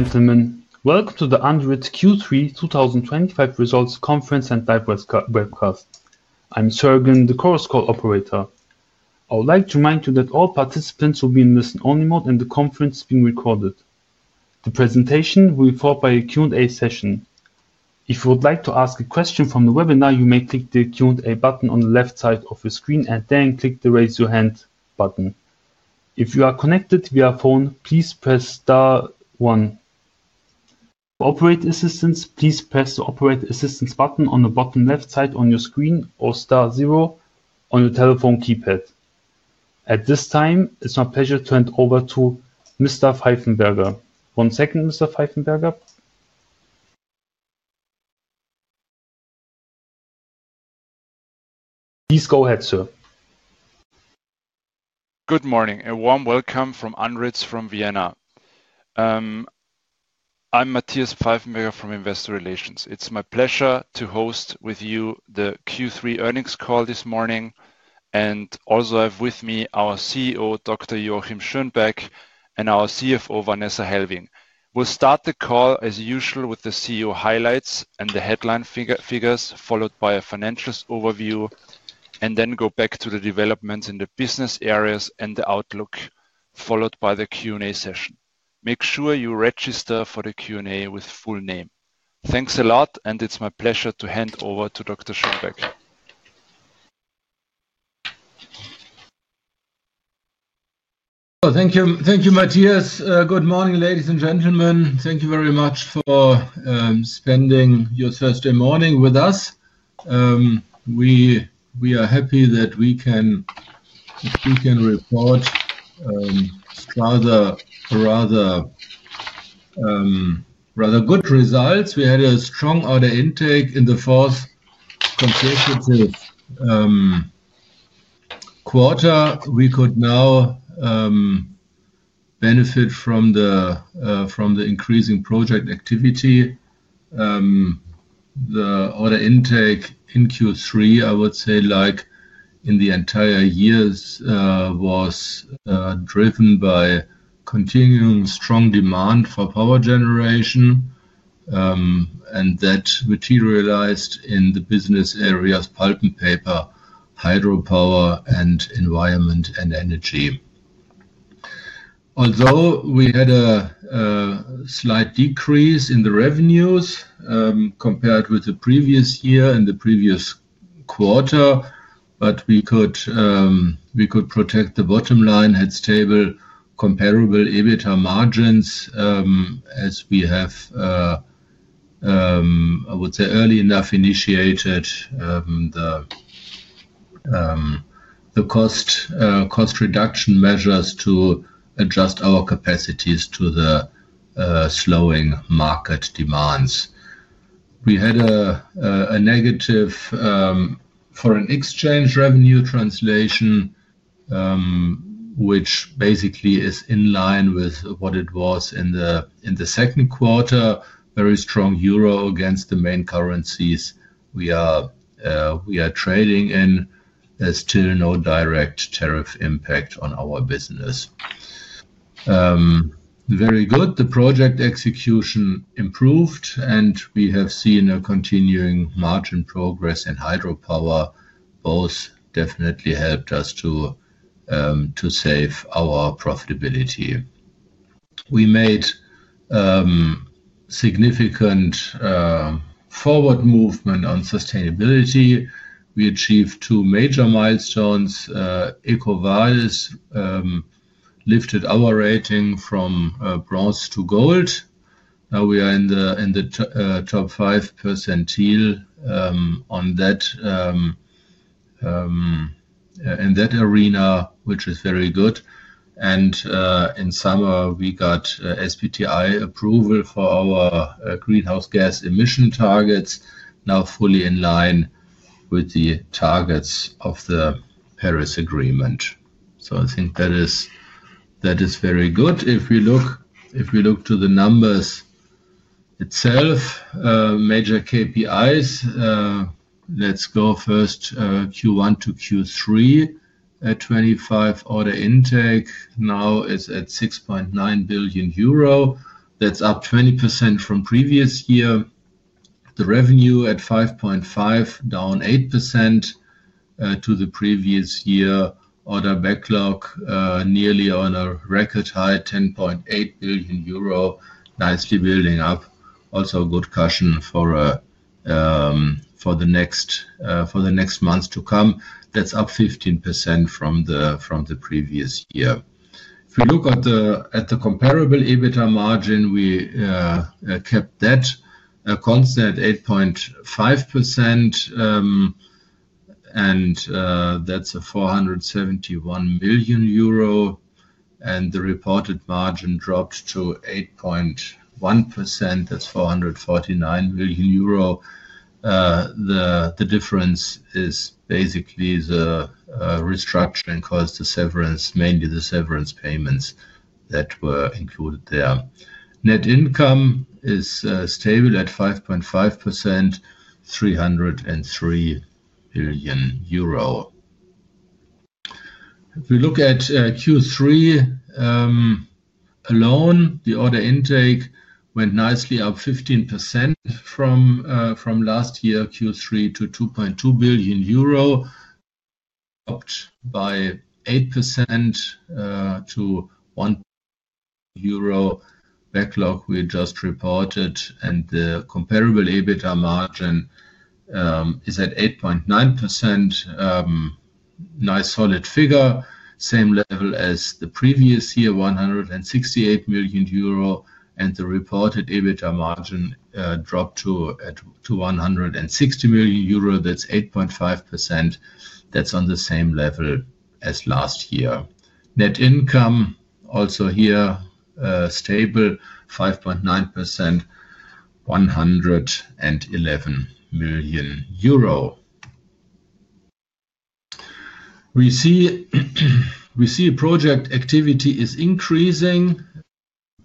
Gentlemen, welcome to the ANDRITZ Q3 2025 results conference and live webcast. I'm Sergen, the Chorus Call operator. I would like to remind you that all participants will be in listen-only mode and the conference is being recorded. The presentation will be followed by a Q&A session. If you would like to ask a question from the webinar, you may click the Q&A button on the left side of your screen and then click the raise your hand button. If you are connected via phone, please press star, one. For operator assistance, please press the operator assistance button on the bottom left side of your screen or zero on your telephone keypad. At this time, it's my pleasure to hand over to Mr. Pfeifenberger. Please go ahead, sir. Good morning. A warm welcome from ANDRITZ from Vienna. I'm Matthias Pfeifenberger from Investor Relations. It's my pleasure to host with you the Q3 earnings call this morning and also have with me our CEO Dr. Joachim Schönbeck and our CFO Vanessa Hellwing. We'll start the call as usual with the CEO highlights and the headline figures, followed by a financials overview. Then go back to the developments in the business areas and the outlook, followed by the Q&A session. Make sure you register for the Q&A with full name. Thanks a lot and it's my pleasure to hand over to Dr. Schönbeck. Thank you, Matthias. Good morning, ladies and gentlemen. Thank you very much for spending your Thursday morning with us. We are happy that we can report rather, rather good results. We had a strong order intake in the fourth consecutive quarter. We could now benefit from the increasing project activity. The order intake in Q3, I would say like in the entire years, was driven by continuing strong demand for power generation and that materialized in the business areas, pulp and paper, hydropower, and environment and energy. Although we had a slight decrease in the revenues compared with the previous year and the previous quarter, we could protect the bottom line, had stable comparable EBITDA margins as we have, I would say early enough initiated the cost reduction measures to adjust our capacities to the slowing market demands. We had a negative foreign exchange revenue translation, which basically is in line with what it was in the second quarter. Very strong euro against the main currencies we are trading in. There is still no direct tariff impact on our business. Very good. The project execution improved and we have seen a continuing margin progress in hydropower. Both definitely helped us to save our profitability. We made significant forward movement on sustainability. We achieved two major milestones. EcoVadis lifted our rating from bronze to gold. Now we are in the top five percentile in that arena, which is very good. In summer we got SBTi approval for our greenhouse gas emission targets, now fully in line with the targets of the Paris Agreement. I think that is very good. If we look to the numbers itself, major KPIs. Let's go first Q1 to Q3 at 2025 order intake. Now it's at 6.9 billion euro. That's up 20% from previous year. The revenue at 5.5 billion, down 8% to the previous year. Order backlog nearly on a record high, 10.8 billion euro. Nicely building up. Also a good cushion for the next months to come. That's up 15% from the previous year. If you look at the comparable EBITDA margin, we kept that constant at 8.5% and that's 471 million euro. The reported margin dropped to 8.1%. That's 449 million euro. The difference is basically the restructuring costs, mainly the severance payments that were included there. Net income is stable at 5.5%, EUR 303 million. If we look at Q3 alone, the order intake went nicely up 15% from last year. Q3 to 2.2 billion euro. By 8% to 1 billion euro backlog we just reported. The comparable EBITDA margin is at 8.9%. Nice solid figure. Same level as the previous year, 168 million euro. The reported EBITDA margin dropped to at least 160 million euro. That's 8.5%. That's on the same level as last year. Net income also here, stable 5.9%, EUR 111 million. We see project activity is increasing.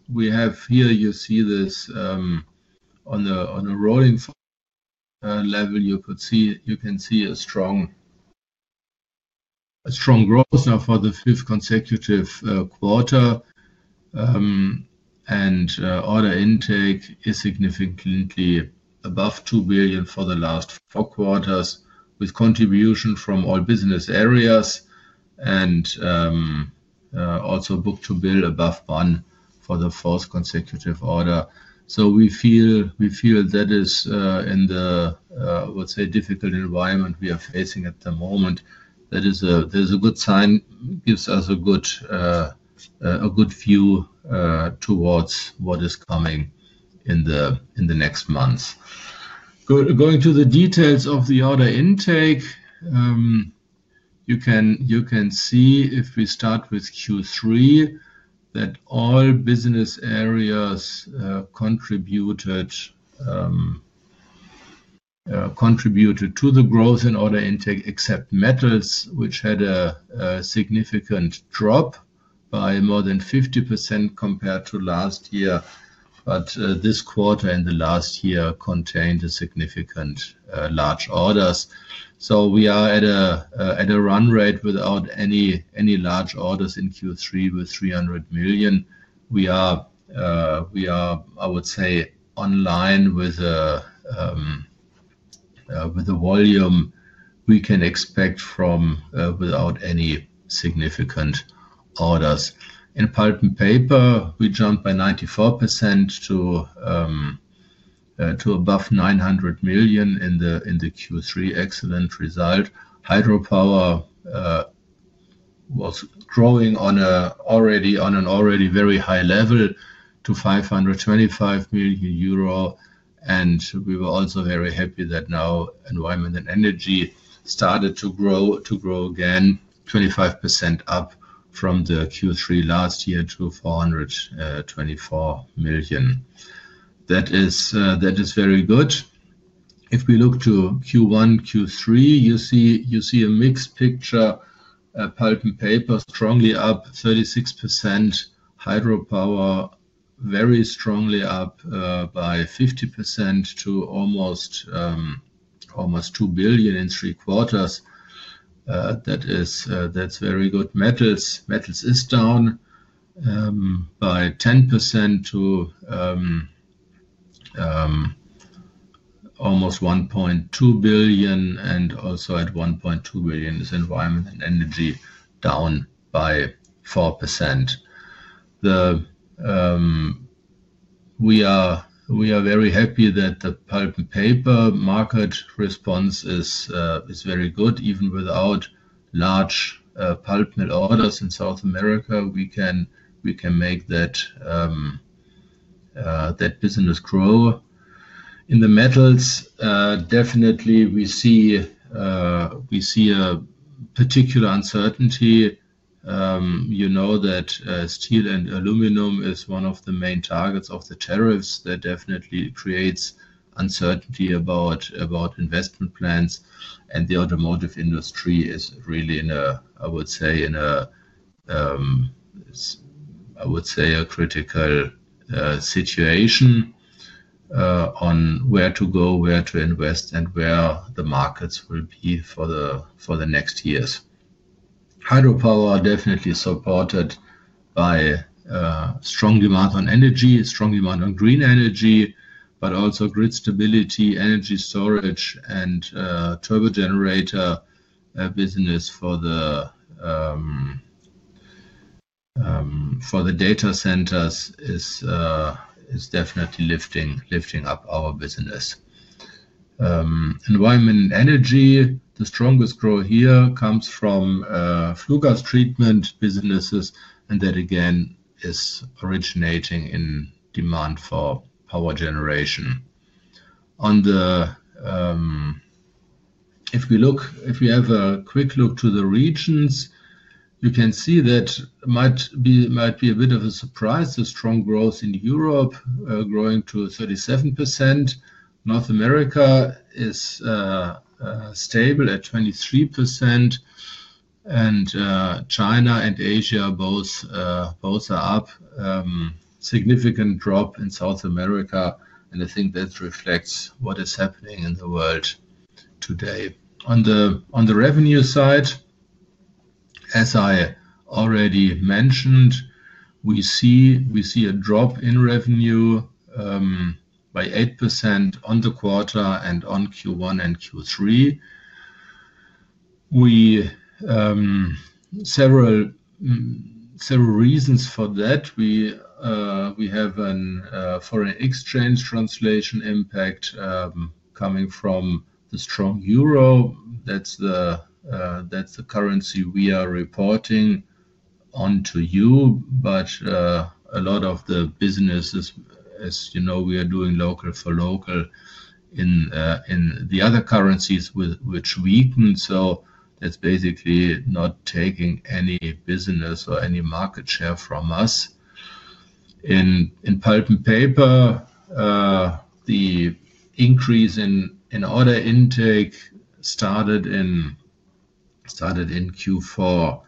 You see this on a rolling level; you can see strong, strong growth now for the fifth consecutive quarter. Order intake is significantly above 2 billion for the last four quarters with contribution from all business areas and also book to build above one for the fourth consecutive order. We feel that is, in the, let's say, difficult environment we are facing at the moment, a good sign, gives us a good view towards what is coming in the next months. Going to the details of the order intake, you can see if we start with Q3, that all business areas contributed to the growth in order intake, except Metals, which had a significant drop by more than 50% compared to last year. This quarter in the last year contained significant large orders. We are at a run rate without any large orders in Q3 with 300 million. We are, I would say, online with the volume we can expect. Without any significant orders in Pulp and Paper, we jumped by 94% to above 900 million in Q3. Excellent result. Hydropower was growing on an already very high level to 525 million euro. We were also very happy that now Environment and Energy started to grow again, 25% up from Q3 last year to 424 million. That is very good. If we look to Q1–Q3, you see a mixed picture. Pulp and paper strongly up 36%. Hydropower very strongly up by 50% to almost 2 billion in three quarters. That is very good. Metals is down by 10% to almost 1.2 billion. Also at 1.2 billion is Environment and Energy, down by 4%. We are very happy that the Pulp and Paper market response is very good. Even without large pulp mill orders in South America, we can make that business grow. In metals, definitely we see a particular uncertainty. You know that steel and aluminum is one of the main targets of the tariffs. That definitely creates uncertainty about investment plans. The automotive industry is really in a. I would say, in a critical situation on where to go, where to invest and where the markets will be for the next years. Hydropower definitely supported by strong demand on energy, strong demand on green energy, but also grid stability, energy storage and turbo generator business for the data centers is definitely lifting up our business environment, energy. The strongest growth here comes from flue gas treatment businesses and that again is originating in demand for power generation. If we have a quick look to the regions you can see that might be a bit of a surprise. The strong growth in Europe growing to 37%. North America is stable at 23% and China and Asia both are up, significant drop in South America. I think that reflects what is happening in the world today. On the revenue side, as I already mentioned, we see a drop in revenue by 8% on the quarter and on Q1 and Q3. Several reasons for that. We have a foreign exchange translation impact coming from the strong euro. That's the currency we are reporting on to you. A lot of the businesses, as you know, we are doing local for local in the other currencies which weaken. That's basically not taking any business or any market share from us. In pulp and paper, the increase in order intake started in Q4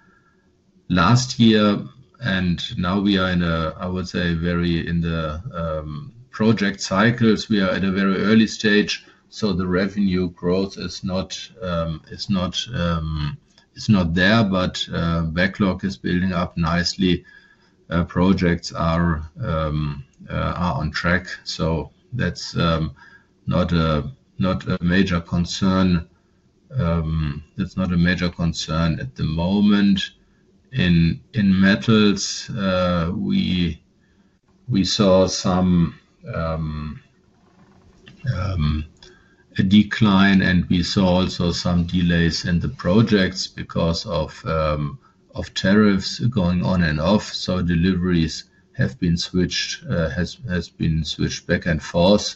last year and now we are in a, I would say, very in the project cycles. We are at a very early stage. The revenue growth is not there, but backlog is building up nicely. Projects are on track, so that's not a major concern. It's not a major concern at the moment. In metals, we saw some decline and we saw also some delays in the projects because of tariffs going on and off. Deliveries have been switched back and forth.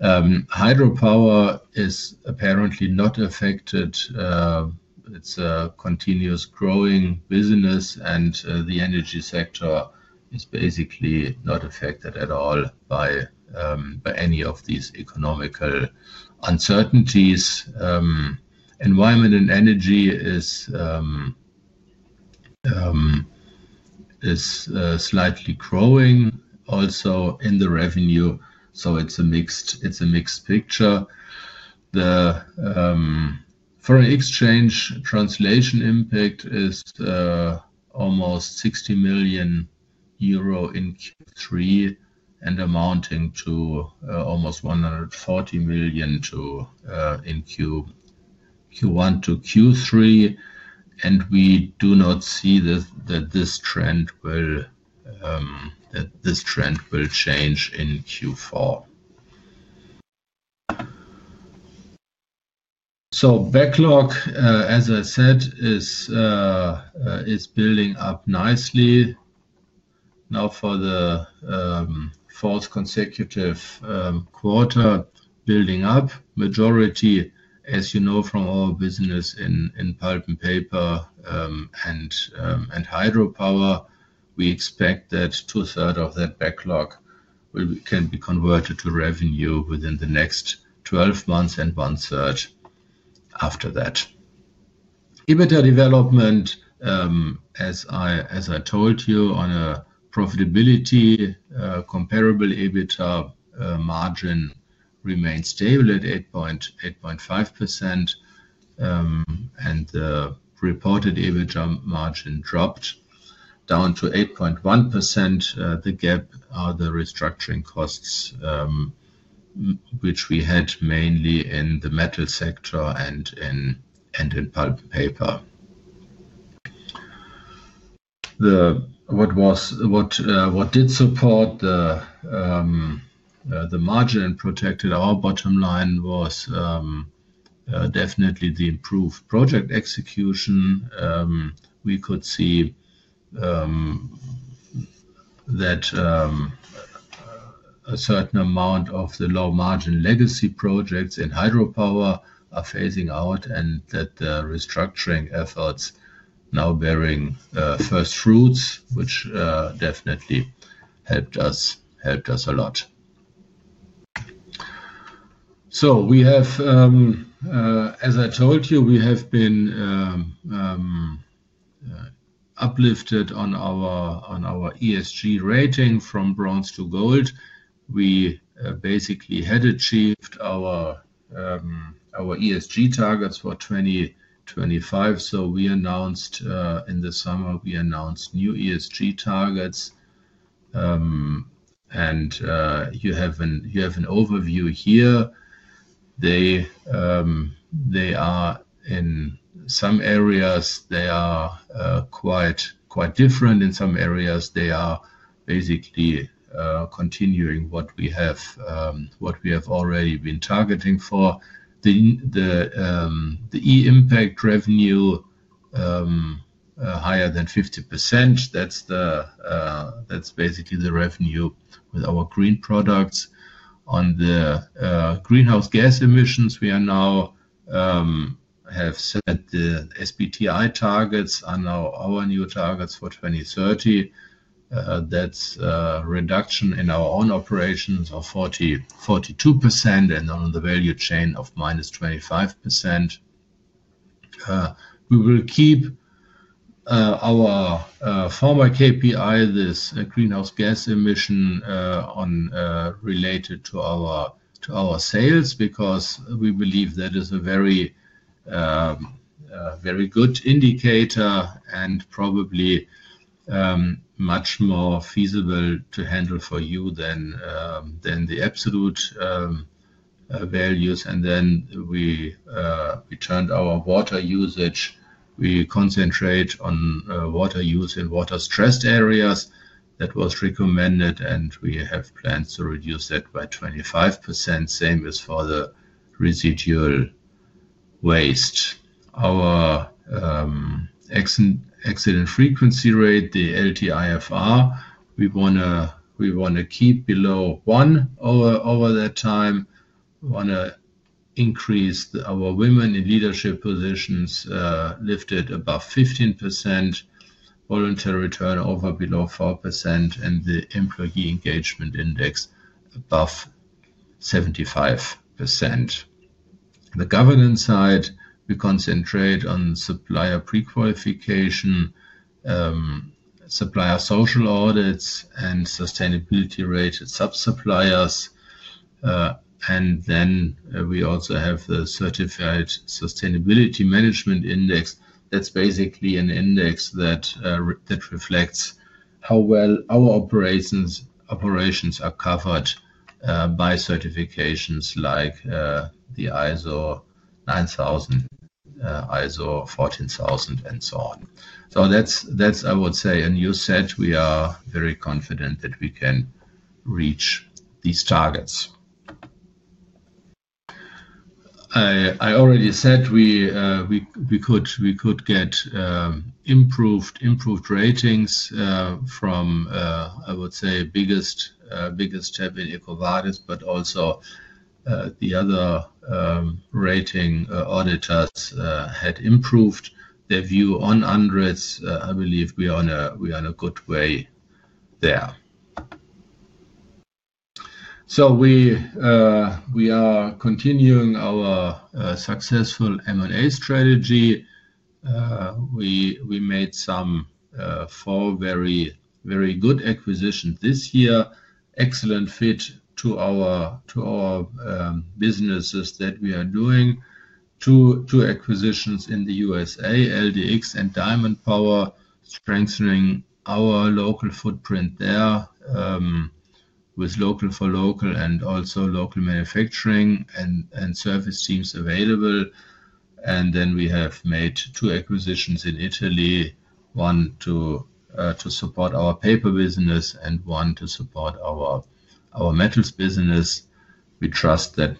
Hydropower is apparently not affected. It's a continuous growing business and the energy sector is basically not affected at all by any of these economical uncertainties. Environment and energy is slightly growing also in the revenue. It's a mixed picture. The foreign exchange translation impact is almost 60 million euro in Q3 and amounting to almost 140 million in Q1 to Q3. We do not see that this trend will change in Q4. Backlog, as I said, is building up nicely now for the fourth consecutive quarter, building up majority, as you know, from our business in pulp and paper and hydropower. We expect that two thirds of that backlog can be converted to revenue within the next 12 months and one third after that. EBITDA development, as I told you, on a profitability comparable EBITDA margin remained stable at 8.5% and the reported EBITDA margin dropped down to 8.1%. The gap are the restructuring costs which we had mainly in the metal sector and in pulp and paper. What did support the margin, protected our bottom line, was definitely the improved project execution. We could see that a certain amount of the low margin legacy projects in hydropower are phasing out and that restructuring efforts now bearing first fruits which definitely helped us a lot. We have, as I told you, been uplifted on our ESG rating from bronze to gold. We basically had achieved our ESG targets for 2025. We announced in the summer new ESG targets and you have an overview here. They are in some areas, they are quite different. In some areas, they are basically continuing what we have already been targeting for the e-impact revenue higher than 50%. That's basically the revenue with our green products. On the greenhouse gas emissions, we now have set the SBTi targets, are now our new targets for 2030. That's reduction in our own operations of 42% and on the value chain of -25%. We will keep our former KPI, this greenhouse gas emission related to our sales, because we believe that is a very good indicator and probably much more feasible to handle for you than the absolute values. We returned our water usage. We concentrate on water use in water-stressed areas. That was recommended, and we have plans to reduce that by 25%. Same as for the residual waste. Our accident frequency rate, the LTIFR, we want to keep below one over that time, want to increase our women in leadership positions, lift it above 15%. Voluntary return over below 4% and the employee engagement index above 75. The governance side, we concentrate on supplier pre-qualification, supplier social audits, and sustainability-rated sub-suppliers. We also have the certified Sustainability Management Index. That's basically an index that reflects how well our operations are covered by certifications like the ISO 9000, ISO 14000, and so on. I would say, and you said, we are very confident that we can reach these targets. I already said we could get improved ratings from, I would say, biggest step in EcoVadis, but also the other rating auditors had improved their view on ANDRITZ. I believe we are in a good way there. We are continuing our successful M&A strategy. We made some four very good acquisitions this year, excellent fit to our businesses that we are doing. Two acquisitions in the U.S., LDX and Diamond Power, strengthening our local footprint there with local-for-local and also local manufacturing and service teams available. We have made two acquisitions in Italy, one to support our paper business and one to support our metals business. We trust that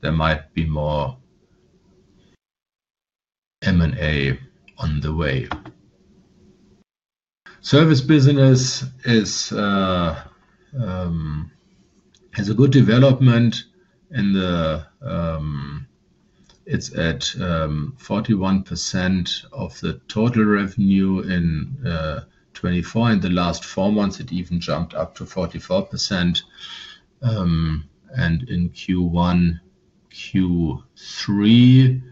there might be more M&A on the way. Service business has a good development, and it's at 41% of the total revenue in 2024. In the last four months, it even jumped up to 44%, and in Q1-Q3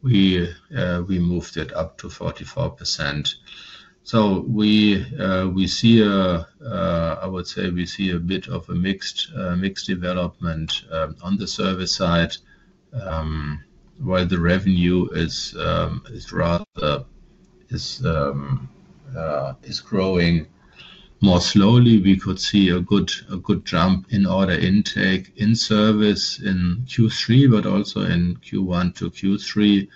we moved it up to 44%. We see, I would say, we see a bit of a mixed development on the service side. While the revenue is growing more slowly, we could see a good jump in order intake in service in Q3 but also in Q1 to Q3.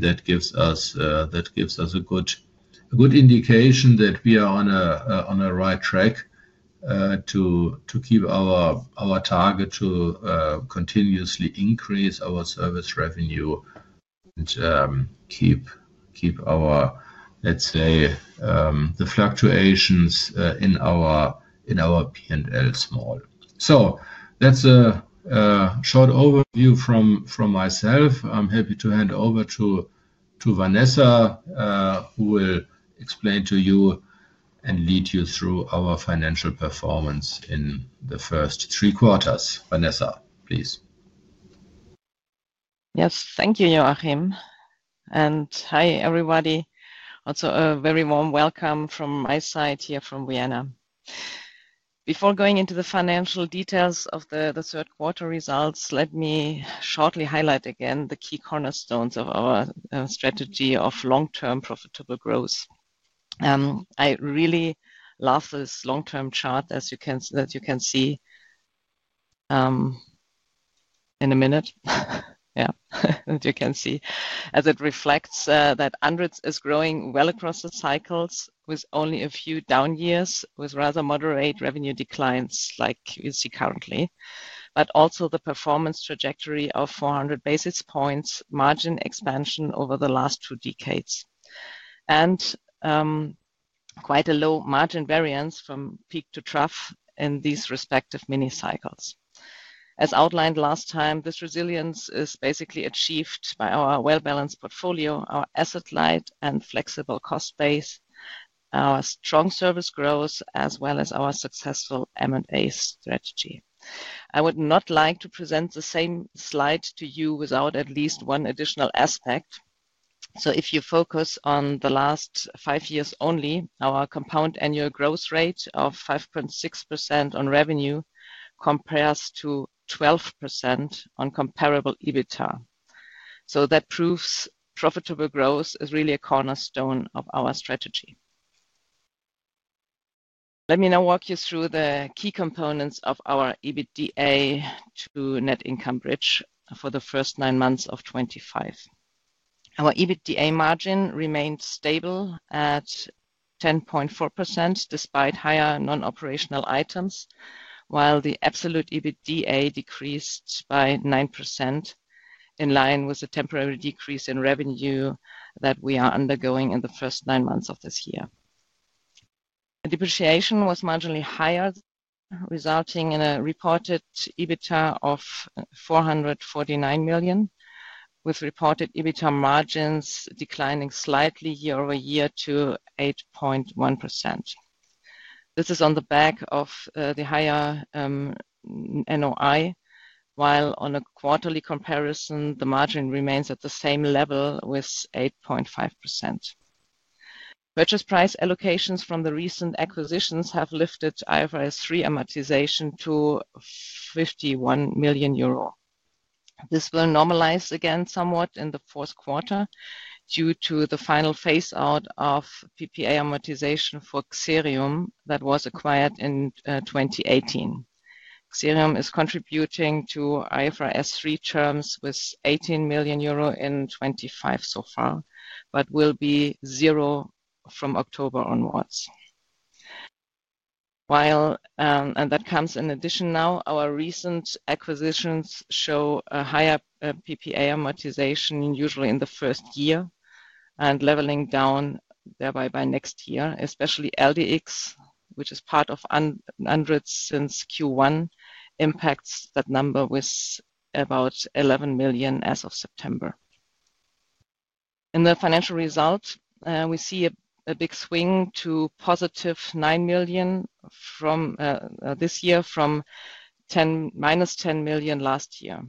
That gives us a good indication that we are on the right track to keep our target to continuously increase our service revenue and keep the fluctuations in our P&L small. That's a short overview from myself. I'm happy to hand over to Vanessa, who will explain to you and lead you through our financial performance in the first three quarters. Vanessa, please. Yes, thank you Joachim and hi everybody. Also a very warm welcome from my side here from Vienna. Before going into the financial details of the third quarter results, let me shortly highlight again the key cornerstones of our strategy of long term profitable growth. I really love this long term chart as you can see in a minute as you can see as it reflects that ANDRITZ is growing well across the cycles with only a few down years with rather moderate revenue declines like you see currently, but also the performance trajectory of 400 basis points, margin expansion over the last two decades and quite a low margin variance from peak to trough in these respective mini cycles as outlined last time. This resilience is basically achieved by our well balanced portfolio, our asset-light and flexible cost base, our strong service growth as well as our successful M&A strategy. I would not like to present the same slide to you without at least one additional aspect. If you focus on the last five years only, our compound annual growth rate of 5.6% on revenue compares to 12% on comparable EBITDA. That proves profitable growth is really a cornerstone of our strategy. Let me now walk you through the key components of our EBITDA to net income bridge for the first nine months of 2025. Our EBITDA margin remained stable at 10.4% despite higher non-operational items, while the absolute EBITDA decreased by 9% in line with the temporary decrease in revenue that we are undergoing. In the first nine months of this year, depreciation was marginally higher resulting in a reported EBITDA of 449 million with reported EBITDA margins declining slightly year-over-year to 8.1%. This is on the back of the higher NOI while on a quarterly comparison the margin remains at the same level with 8.5%. Purchase price allocations from the recent acquisitions have lifted IFRS 3 amortization to 51 million euro. This will normalize again somewhat in the fourth quarter due to the final phase out of PPA amortization for Xerium that was acquired in 2018. Xerium is contributing to IFRS 3 terms with 18 million euro in 2025 so far, but will be 0 from October onwards while and that comes in addition. Now our recent acquisitions show a higher PPA amortization usually in the first year and leveling down thereby by next year, especially LDX which is part of ANDRITZ since Q1 impacts that number with about 11 million as of September. In the financial result, we see a big swing to positive 9 million this year from minus 10 million last year.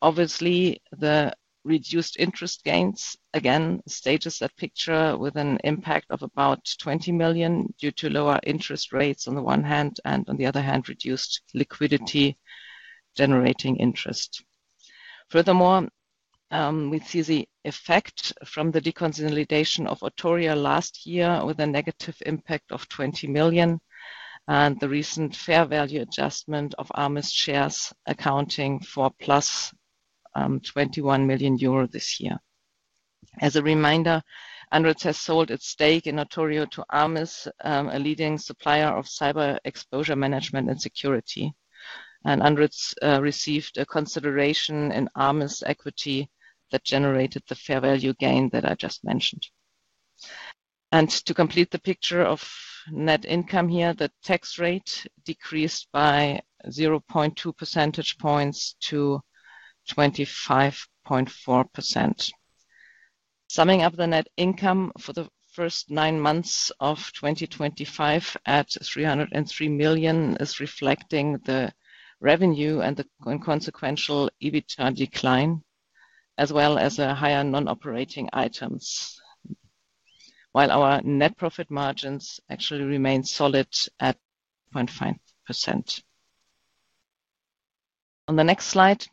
Obviously, the reduced interest gains again stages that picture with an impact of about 20 million due to lower interest rates on the one hand and on the other hand reduced liquidity generating interest. Furthermore, we see the effect from the deconsolidation of Otoria last year with a negative impact of 20 million and the recent fair value adjustment of AMIS shares accounting for plus 21 million euro this year. As a reminder, ANDRITZ has sold its stake in Notorio to AMIS, a leading supplier of cyber exposure management and security, and ANDRITZ received a consideration in AMIS equity that generated the fair value gain that I just mentioned. To complete the picture of net income here, the tax rate decreased by 0.2 percentage points to 25.4%. Summing up, the net income for the first nine months of 2025 at 303 million is reflecting the revenue and the inconsequential EBITDA decline as well as higher non-operating items, while our net profit margins actually remain solid at 0.5%. On the next slide,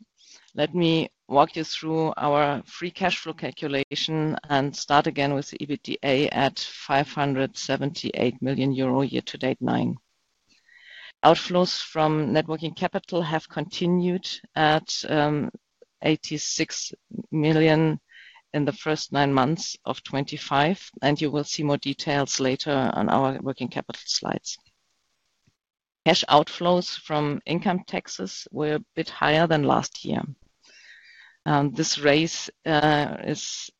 let me walk you through our free cash flow calculation and start again with EBITDA at 578 million euro year to date. Outflows from net working capital have continued at 86 million in the first nine months of 2025, and you will see more details later on our working capital slides. Cash outflows from income taxes were a bit higher than last year. This raise is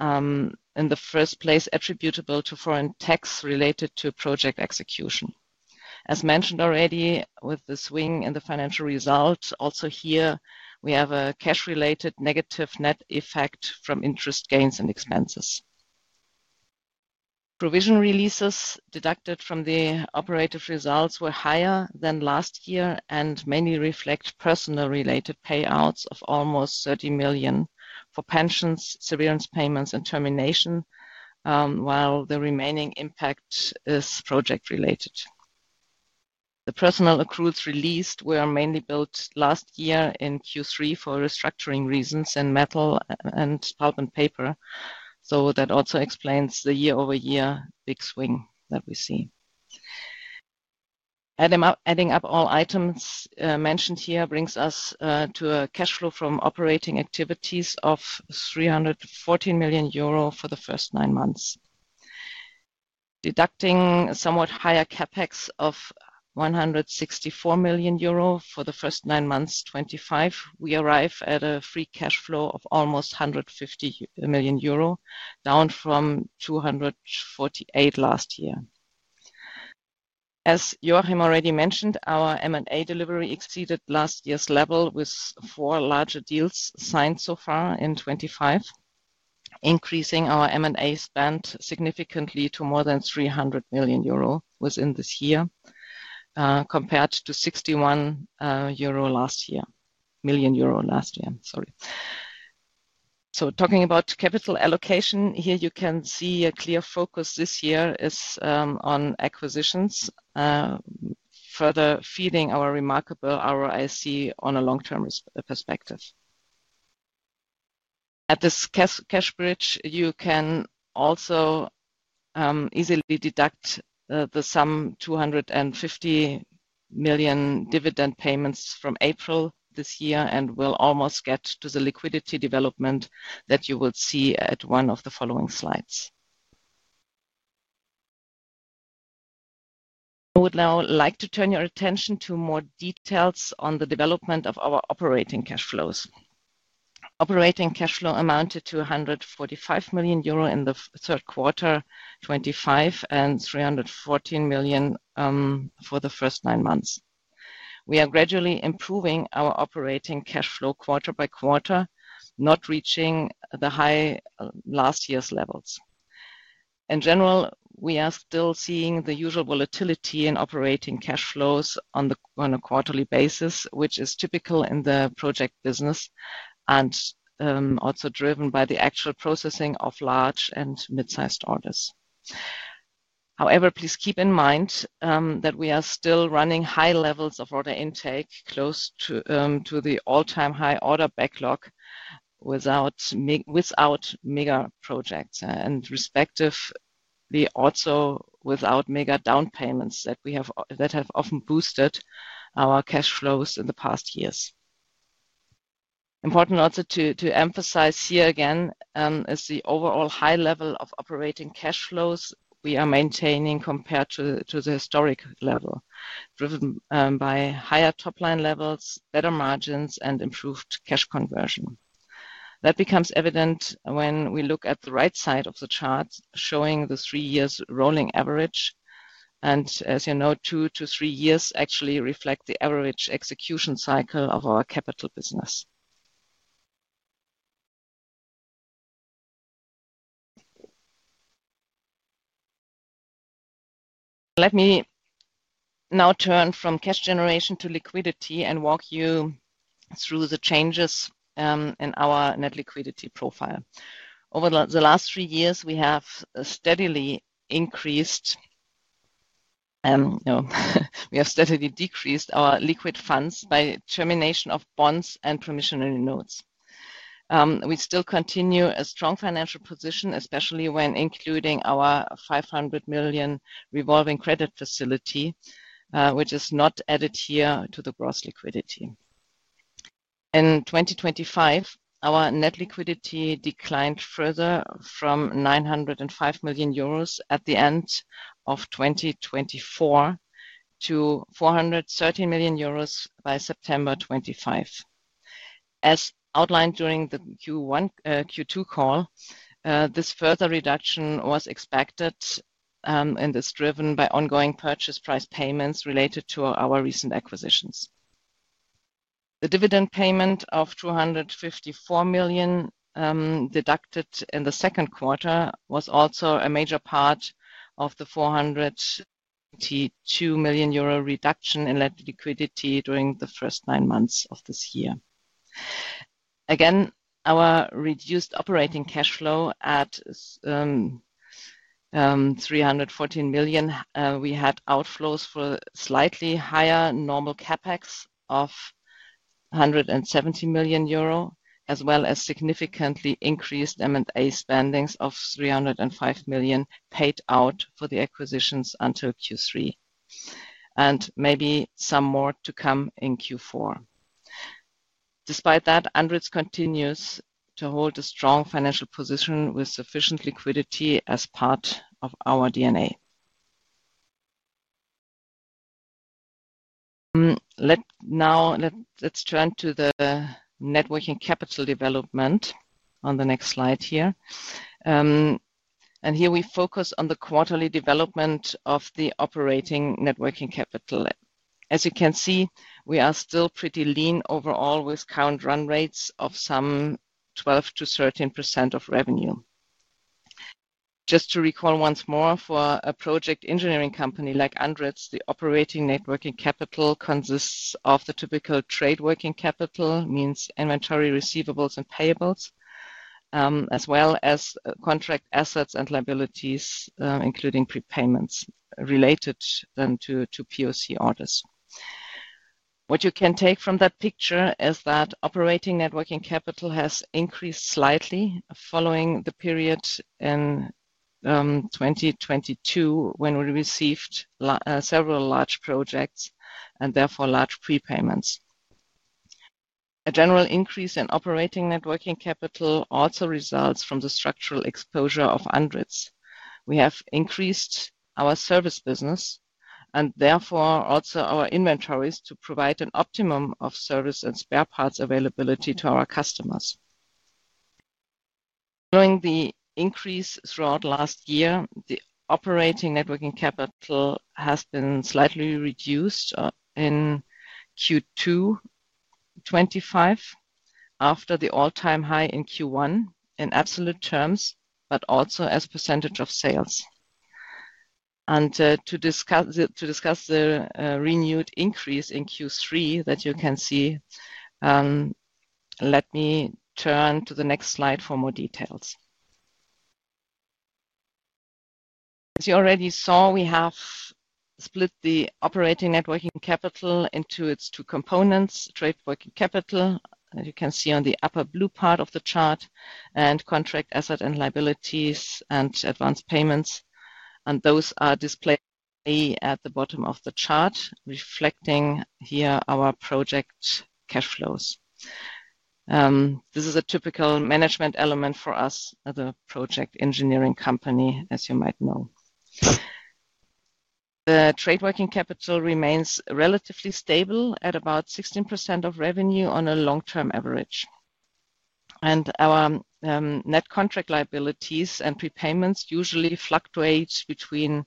in the first place attributable to foreign tax related to project execution as mentioned already with the swing in the financial result. Also, here we have a cash-related negative net effect from interest gains and expenses. Provision releases deducted from the operative results were higher than last year and mainly reflect personnel-related payouts of almost 30 million for pensions, severance payments, and termination. While the remaining impact is project related, the personnel accruals released were mainly built last year in Q3 for restructuring reasons in metal and pulp and paper. That also explains the year-over-year big swing that we see. Adding up all items mentioned here brings us to a cash flow from operating activities of 314 million euro for the first nine months. Deducting somewhat higher CapEx of 164 million euro for the first nine months of 2025, we arrive at a free cash flow of almost 150 million euro, down from 248 million last year. As Joachim already mentioned, our M&A delivery exceeded last year's level with 4 larger deals signed so far in 2025, increasing our M&A spend significantly to more than 300 million euro within this year compared to 61 million euro last year. So talking about capital allocation, here you can see a clear focus this year is on acquisitions, further feeding our remarkable ROIC on a long-term perspective at this cash bridge. You can also easily deduct the sum 250 million dividend payments from April this year and will almost get to the liquidity development that you will see at one of the following slides. I would now like to turn your attention to more details on the development of our operating cash flows. Operating cash flow amounted to 145 million euro in the third quarter 2025 and 314 million for the first nine months. We are gradually improving our operating cash flow quarter by quarter, not reaching the high last year's levels. In general, we are still seeing the usual volatility in operating cash flows on a quarterly basis, which is typical in the project business and also driven by the actual processing of large and mid-sized orders. However, please keep in mind that we are still running high levels of order intake close to the all-time high order backlog without mega projects and respective, without mega down payments that have often boosted our cash flows in the past years. Important also to emphasize here again is the overall high level of operating cash flows we are maintaining compared to the historic level, driven by higher top line levels, better margins, and improved cash conversion. That becomes evident when we look at the right side of the chart showing the three-year rolling average, and as you know, two to three years actually reflect the average execution cycle of our capital business. Let me now turn from cash generation to liquidity and walk you through the changes in our net liquidity profile. Over the last three years, we have steadily decreased our liquid funds by termination of bonds and promissory notes. We still continue a strong financial position, especially when including our 500 million revolving credit facility, which is not added here to the gross liquidity in 2025. Our net liquidity declined further from 905 million euros at the end of 2024 to 413 million euros by September 25th, as outlined during the Q2 call. This further reduction was expected and is driven by ongoing purchase price payments related to our recent acquisitions. The dividend payment of 254 million deducted in the second quarter was also a major part of the 402 million euro reduction in liquidity during the first nine months of this year. Again, our reduced operating cash flow at 314 million. We had outflows for slightly higher normal CapEx of 170 million euro as well as significantly increased M&A spending of 305 million paid out for the acquisitions until Q3 and maybe some more to come in Q4. Despite that, ANDRITZ continues to hold a strong financial position with sufficient liquidity as part of our DNA. Now let's turn to the net working capital development on the next slide here and here we focus on the quarterly development of the operating net working capital. As you can see, we are still pretty lean overall with current run rates of some 12% to 13% of revenue. Just to recall once more, for a project engineering company like ANDRITZ, the operating net working capital consists of the typical trade working capital means, inventory, receivables, and payables as well as contract assets and liabilities including prepayments related to POC orders. What you can take from that picture is that operating net working capital has increased slightly further following the period in 2022 when we received several large projects and therefore large prepayments. A general increase in operating net working capital also results from the structural exposure of hundreds. We have increased our service business and therefore also our inventories to provide an optimum of service and spare parts availability to our customers. Following the increase throughout last year, the operating net working capital has been slightly reduced in Q2 2025 after the all-time high in Q1 in absolute terms but also as percentage of sales and to discuss the renewed increase in Q3 that you can see, let me turn to the next slide for more details. As you already saw, we have split the operating net working capital into its two components, trade working capital as you can see on the upper blue part of the chart and contract asset and liabilities and advance payments and those are displayed at the bottom of the chart reflecting here our project cash flows. This is a typical management element for us as a project engineering company. As you might know, the trade working capital remains relatively stable at about 16% of revenue on a long-term average, and our net contract liabilities and prepayments usually fluctuate between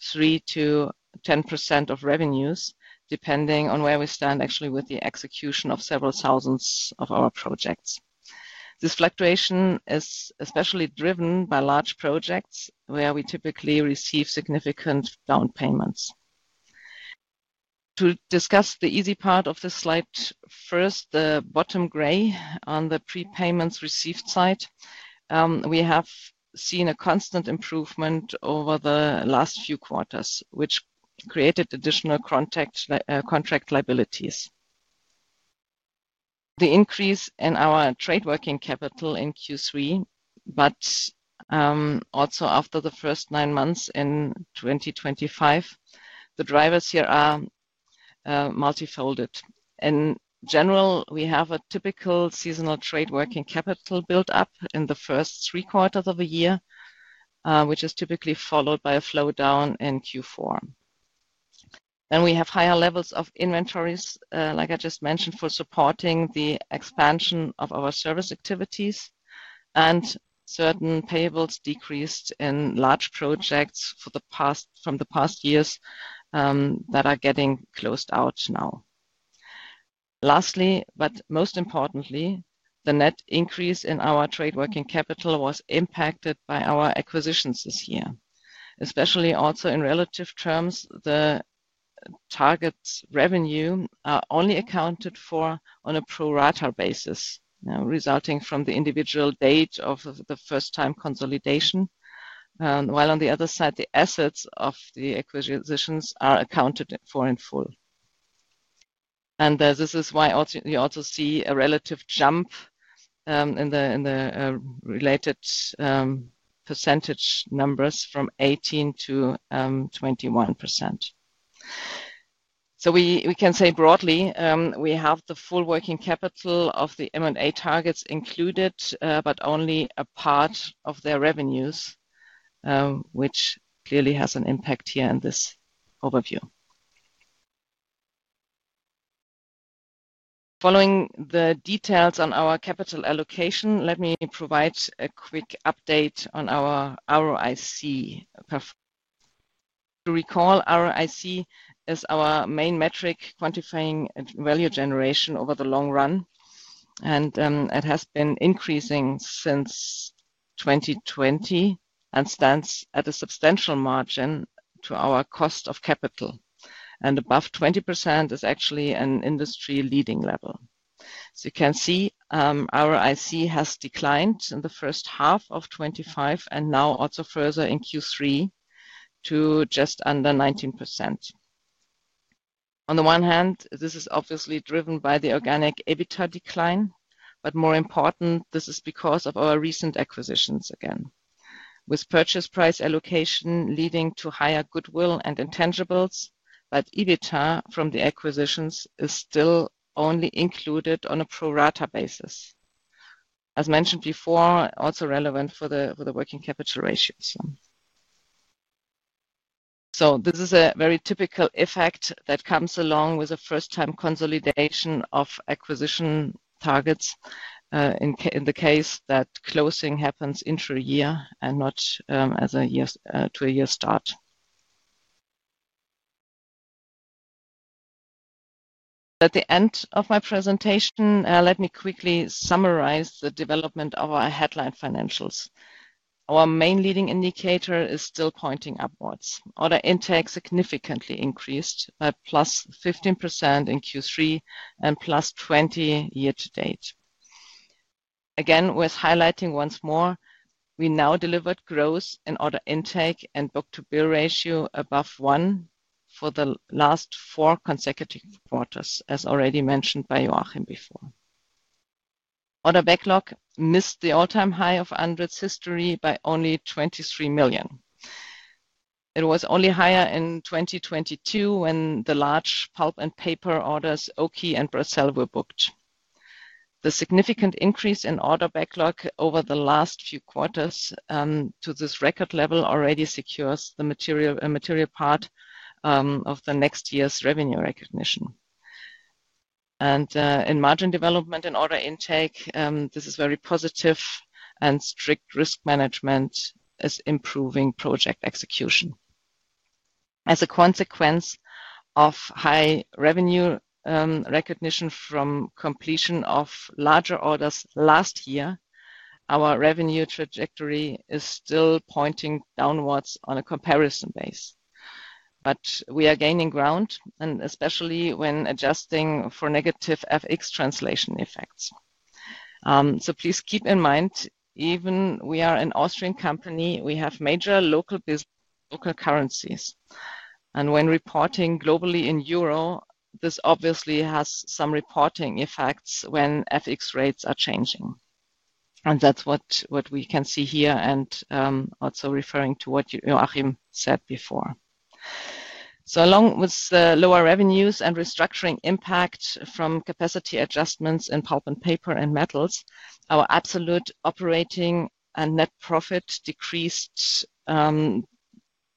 3%-3.10% of revenues depending on where we stand actually with the execution of several thousands of our projects. This fluctuation is especially driven by large projects where we typically receive significant down payments. To discuss the easy part of this slide, first, the bottom gray on the prepayments received side, we have seen a constant improvement over the last few quarters, which created additional contract liabilities. The increase in our trade working capital in Q3, but also after the first nine months in 2025, the drivers here are multifold. In general, we have a typical seasonal trade working capital build-up in the first three quarters of a year, which is typically followed by a flow down in Q4. We have higher levels of inventories, like I just mentioned, for supporting the expansion of our service activities, and certain payables decreased in large projects from the past years that are getting closed out now. Lastly, but most importantly, the net increase in our trade working capital was impacted by our acquisitions this year, especially also in relative terms. The target revenue are only accounted for on a pro rata basis resulting from the individual date of the first-time consolidation, while on the other side, the assets of the acquisitions are accounted for in full, and this is why you also see a relative jump in the related percentage numbers from 18%-21%. We can say broadly we have the full working capital of the M&A targets included but only a part of their revenues, which clearly has an impact here in this overview. Following the details on our capital allocation, let me provide a quick update on our ROIC recall. ROIC is our main metric quantifying value generation over the long run, and it has been increasing since 2020 and stands at a substantial margin to our cost of capital and above 20% is actually an industry-leading level. You can see our ROIC has declined in the first half of 2025 and now also further in Q3 to just under 19%. On the one hand, this is obviously driven by the organic EBITDA decline, but more important, this is because of our recent acquisitions again with purchase price allocation leading to higher goodwill and intangibles. EBITDA from the acquisitions is still only included on a pro rata basis as mentioned before, also relevant for the working capital ratios. This is a very typical effect that comes along with a first time consolidation of acquisition targets in the case that closing happens in a year and not to a year start. At the end of my presentation, let me quickly summarize the development of our headline financials. Our main leading indicator is still pointing upwards. Order intake significantly increased by +15% in Q3 and +20% year to date. Again, worth highlighting once more, we now delivered growth in order intake and book to bill ratio above one for the last four consecutive quarters. As already mentioned by Joachim before, order backlog missed the all-time high of ANDRITZ history by only 23 million. It was only higher in 2022 when the large pulp and paper orders Oki and Bracell were booked. The significant increase in order backlog over the last few quarters to this record level already secures the material part of the next year's revenue recognition and in margin development and order intake, this is very positive and strict risk management is improving project execution as a consequence of high revenue recognition from completion of larger orders last year. Our revenue trajectory is still pointing downwards on a comparison base, but we are gaining ground, especially when adjusting for negative foreign exchange translation effects. Please keep in mind, even though we are an Austrian company, we have major local currencies and when reporting globally in Euro, this obviously has some reporting effects when FX rates are changing and that's what we can see here. Also referring to what Joachim said before, along with lower revenues and restructuring impact from capacity adjustments in pulp and paper and metals, our absolute operating and net profit decreased,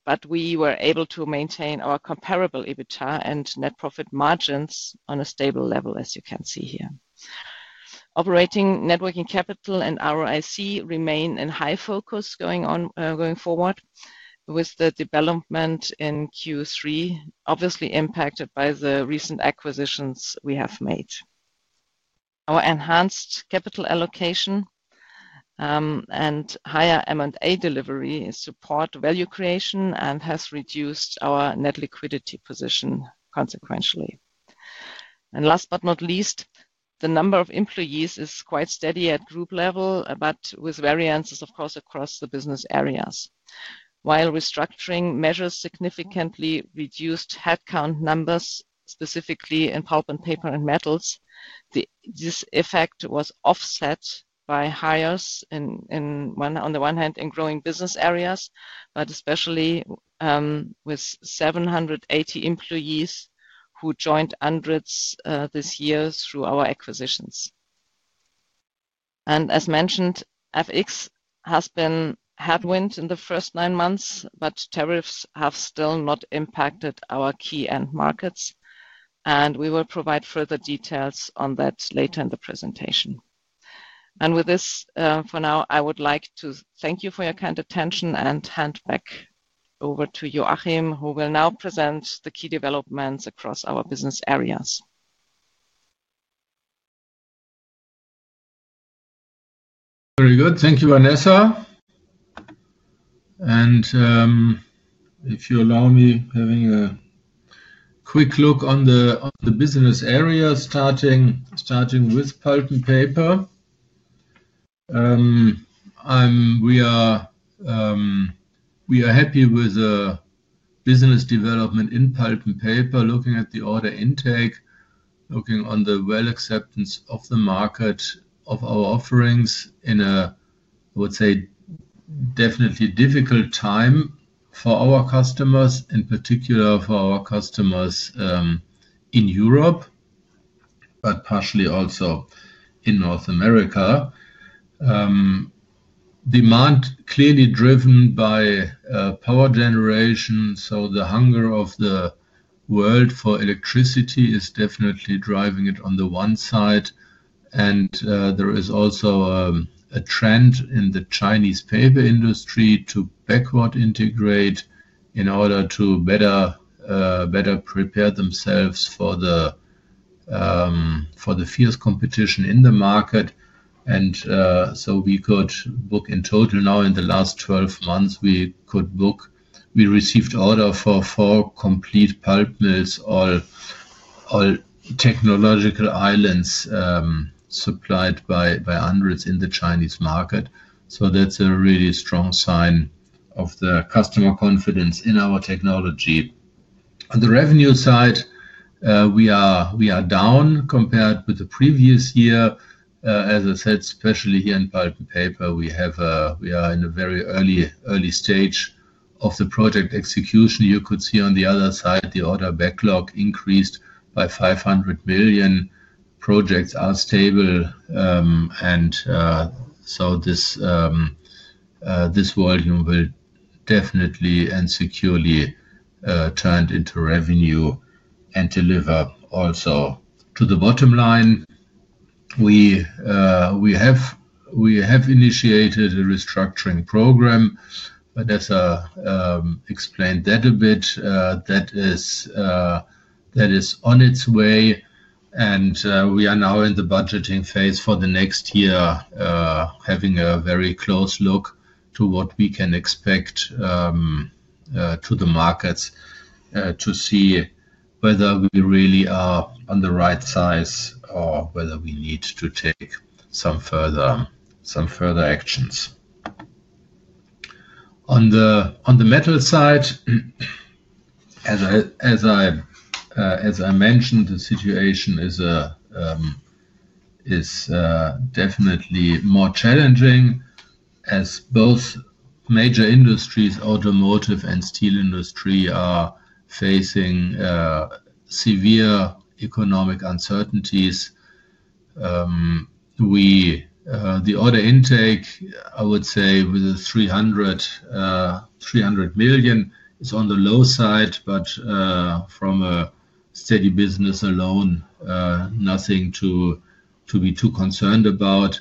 but we were able to maintain our comparable EBITDA and net profit margins on a stable level. As you can see here, operating net working capital and ROIC remain in high focus going forward. The development in Q3 was obviously impacted by the recent acquisitions we have made. Our enhanced capital allocation and higher M&A delivery support value creation and has reduced our net liquidity position consequentially. Last but not least, the number of employees is quite steady at group level, but with variances of course across the business areas, while restructuring measures significantly reduced headcount numbers, specifically in pulp and paper and metals. This effect was offset by hires on the one hand in growing business areas, but especially with 780 employees who joined this year through our acquisitions. As mentioned, FX has been a headwind in the first nine months, but tariffs have still not impacted our key end markets and we will provide further details on that later in the presentation. For now, I would like to thank you for your kind attention and hand back over to Joachim, who will now present the key developments across our business areas. Very good, thank you Vanessa. If you allow me, having a quick look on the business area starting with pulp and paper. We are happy with the business development in pulp and paper. Looking at the order intake, looking on the well acceptance of the market of our offerings in a, I would say, definitely difficult time for our customers, in particular for our customers in Europe, but partially also in North America. Demand clearly driven by power generation. The hunger of the world for electricity is definitely driving it on the one side. There is also a trend in the Chinese paper industry to backward integrate in order to better prepare themselves for the fierce competition in the market. We could book in total now in the last 12 months, we could book, we received order for four complete pulp mills, all technological islands supplied by ANDRITZ in the Chinese market. That's a really strong sign of the customer confidence in our technology. On the revenue side, we are down compared with the previous year. As I said, especially here in pulp and paper, we are in a very early stage of the project execution. You could see on the other side, the order backlog increased by 500 million. Projects are stable, and this volume will definitely and securely turn into revenue and deliver also to the bottom line. We have initiated a restructuring program, but as I explained that a bit, that is on its way, and we are now in the budgeting phase for the next year, having a very close look to what we can expect to the markets to see whether we really are on the right size or whether we need to take some further actions. On the metal side, as I mentioned, the situation is definitely more challenging as both major industries, automotive and steel industry, are facing severe economic uncertainties. The order intake, I would say, with 300 million, is on the low side, but from a steady business alone, nothing to be too concerned about.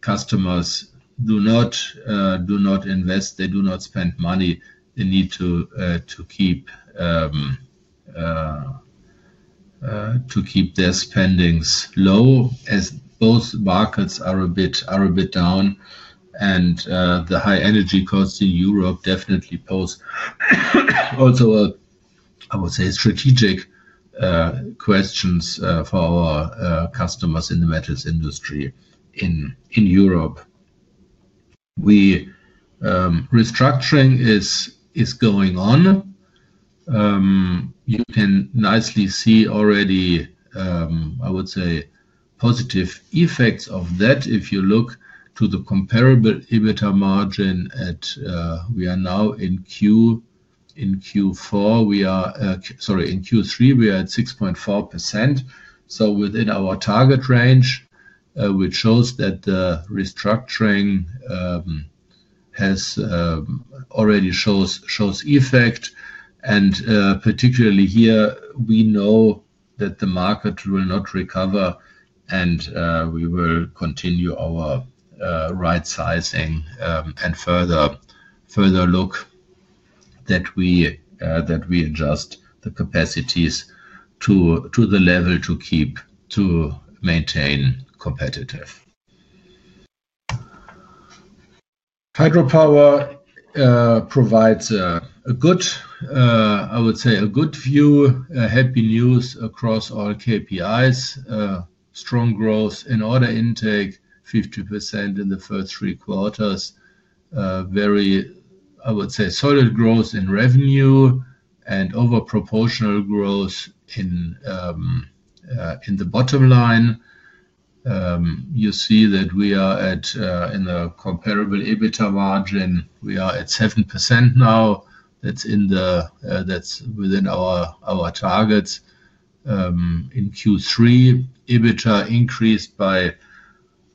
Customers do not invest, they do not spend money. They need to keep their spendings low, as both markets are a bit down. The high energy costs in Europe definitely pose also, I would say, strategic questions for our customers in the metals industry in Europe. Restructuring is going on. You can nicely see already, I would say, positive effects of that. If you look to the comparable EBITDA margin, we are now in Q3, we are at 6.4%. Within our target range, which shows that the restructuring has already shown effect. Particularly here, we know that the market will not recover and we will continue our right sizing. We will further look that we adjust the capacities to the level to keep to maintain competitive. Hydropower provides a good, I would say, a good view. Happy news across all KPIs, strong growth in order intake, 50% in the first three quarters. Very, I would say, solid growth in revenue and over-proportional growth in the bottom line. You see that we are at, in a comparable EBITDA margin, we are at 7% now. That's within our targets. In Q3, EBITDA increased by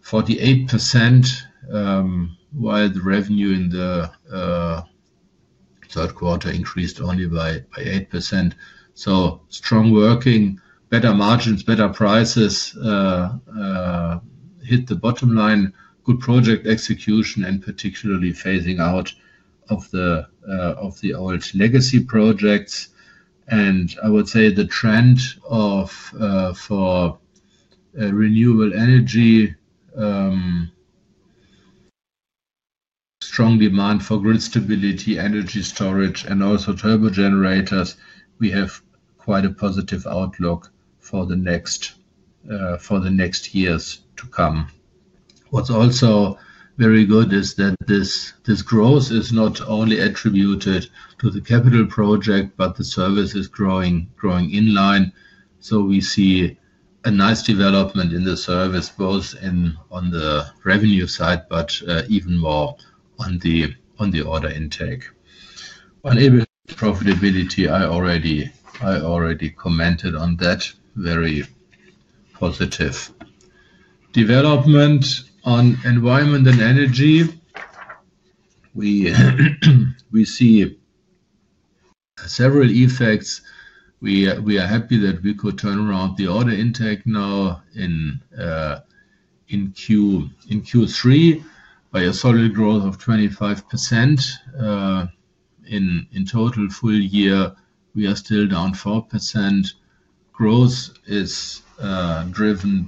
48% while the revenue in the third quarter increased only by 8%. Strong working, better margins, better prices hit the bottom line. Good project execution and particularly phasing out of the old legacy projects and, I would say, the trend for renewable energy. Strong demand for grid stability, energy storage, and also turbo generators. We have quite a positive outlook for the next years to come. What's also very good is that this growth is not only attributed to the capital project but the service is growing in line. We see a nice development in the service both on the revenue side but even more on the order intake. On EBITDA profitability, I already commented on that very positive development. On environment and energy, we see several effects. We are happy that we could turn around the order intake now in Q3 by a solid growth of 25%. In total, full year, we are still down 4%. Growth is driven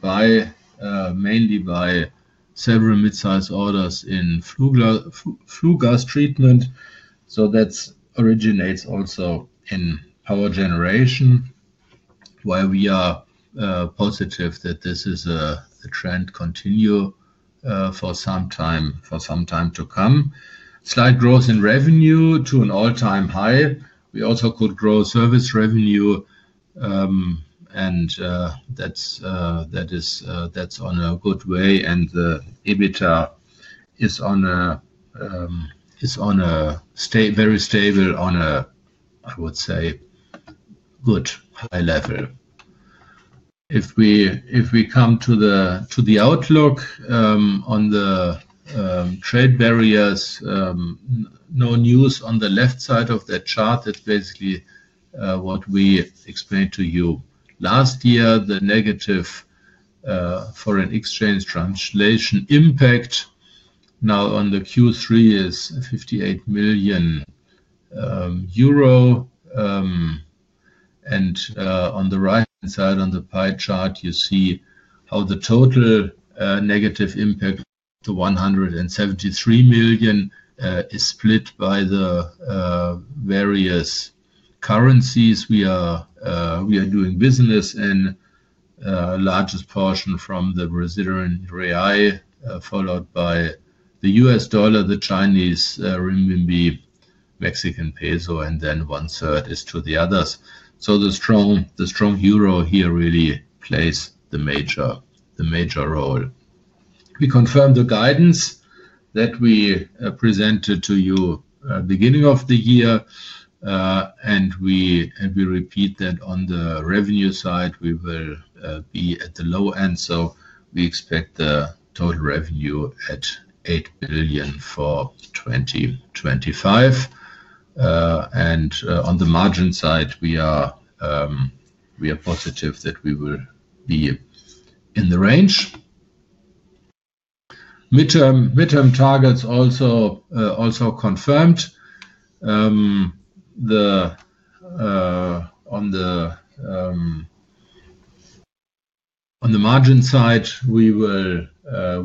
mainly by several mid-sized orders in flue gas treatment. That originates also in power generation. We are positive that this is a trend continuing for some time to come. Slight growth in revenue to an all-time high. We also could grow service revenue and that's on a good way, and EBITDA is on a, is on a, stays very stable on a, I would say, good high level. If we come to the outlook on the trade barriers, no news on the left side of that chart. It's basically what we explained to you last year. The negative foreign exchange translation impact now on the Q3 is 58 million euro. On the right-hand side, on the pie chart, you see how the total negative impact to 173 million is split by the various currencies. We are. We are doing business in largest portion from the residual real followed by the U.S. dollar, the Chinese renminbi, Mexican peso, and then one third is to the others. The strong euro here really plays the major role. We confirm the guidance that we presented to you beginning of the year and we repeat that on the revenue side we will be at the low end. We expect the total revenue at 8 billion for 2025. On the margin side, we are positive that we will be in the range. Midterm targets also confirmed. On the margin side, with the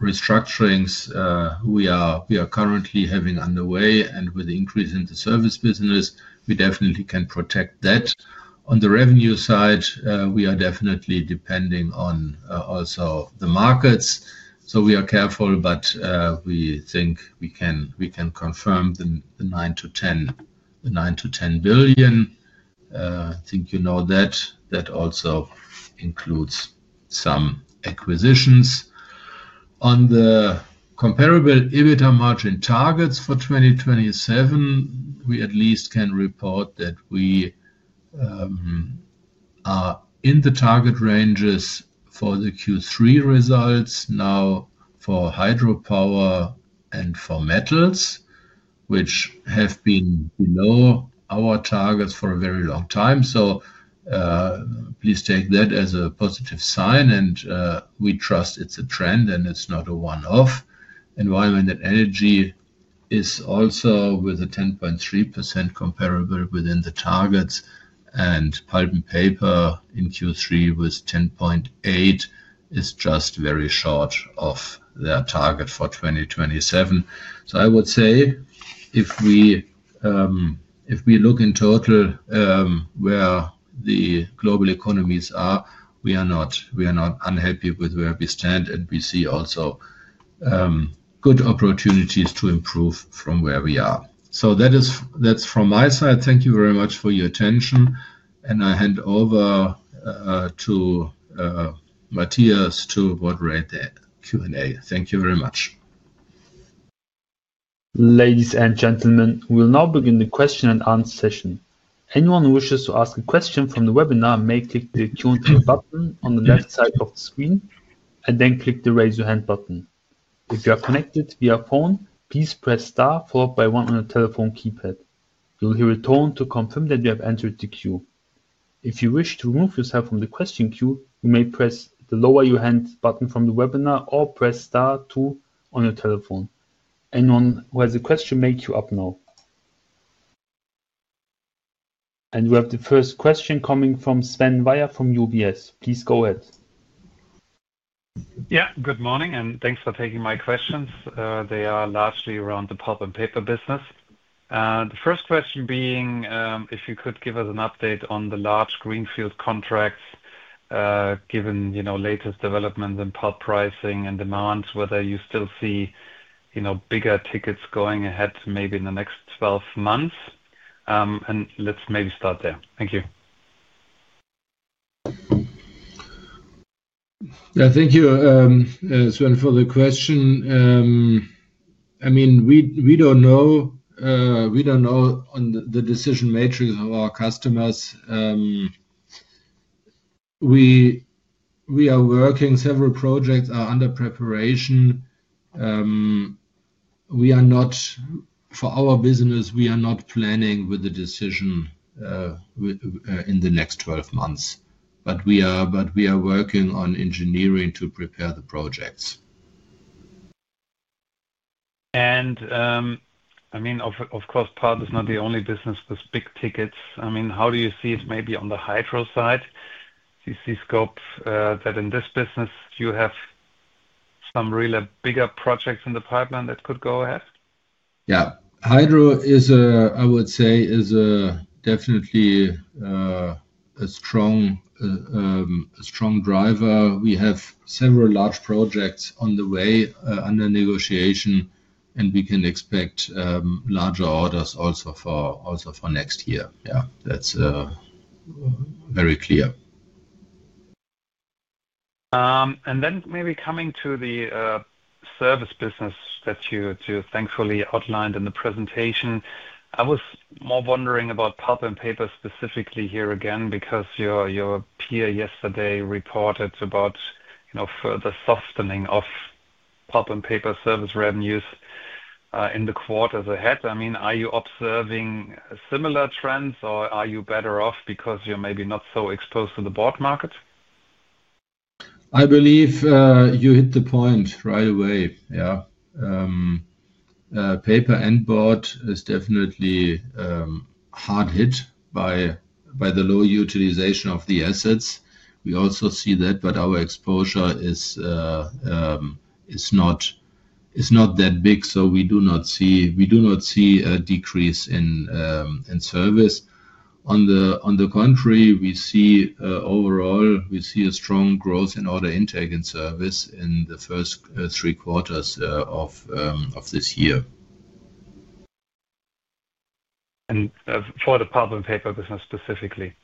restructurings we are currently having underway and with the increase in the service business, we definitely can protect that. On the revenue side, we are definitely depending on also the markets. We are careful, but we think we can confirm the 9 billion-10 billion. I think you know that that also includes some acquisitions. On the comparable EBITDA margin targets for 2027, we at least can report that we are in the target ranges for the Q3 results now for hydropower and for metals, which have been below our targets for a very long time. Please take that as a positive sign and we trust it's a trend and it's not a one off. Environment and energy is also with a 10.3% comparable within the targets. Pulp and paper in Q3 was 10.8%, is just very short of their target for 2027. I would say if we look in total where the global economies are, we are not unhappy with where we stand and we see also good opportunities to improve from where we are. That is from my side. Thank you very much for your attention and I hand over to Matthias to moderate the Q&A. Thank you very much. Ladies and gentlemen. We'll now begin the question and answer session. Anyone who wishes to ask a question from the webinar may click the Q&A button on the left side of the screen and then click the raise your hand button. If you are connected via phone, please press star followed by one on the telephone keypad. You will hear a tone to confirm that you have entered the queue. If you wish to remove yourself from the question queue, you may press the lower your hand button from the webinar or press star two on your telephone. Anyone who has a question may queue up now. We have the first question coming from Sven Weier from UBS. Please go ahead. Good morning and thanks for taking my questions. They are largely around the pulp and paper business. The first question being if you could give us an update on the large greenfield contracts given, you know, latest development and pulp pricing and demands, whether you still see, you know, bigger tickets going ahead maybe in the next 12 months. Let's maybe start there. Thank you. Thank you, Sven, for the question. I mean, we don't know on the decision matrix of our customers. We are working, several projects are under preparation. For our business, we are not planning with the decision in the next 12 months, but we are working on engineering to prepare the projects. Of course, part is not the only business with big tickets. I mean, how do you see it? Maybe on the hydro side, you see scope that in this business you have some really bigger projects in the pipeline that could go ahead. Yeah, hydro is, I would say, is definitely a strong, strong driver. We have several large projects on the way under negotiation, and we can expect larger orders also for next year. Yeah, that's very clear. Maybe coming to the service business that you thankfully outlined in the presentation, I was more wondering about pulp and paper specifically here again because your peer yesterday reported about further softening of pulp and paper service revenues in the quarters ahead. I mean, are you observing similar trends or are you better off because you're maybe not so exposed to the bought market? I believe you hit the point right away. Yeah, paper and board is definitely hard hit by the low utilization of the assets. We also see that. Our exposure is not that big. We do not see a decrease in service. On the contrary, overall, we see a strong growth in order intake and service in the first three quarters of this year. For the pulp and paper business specifically,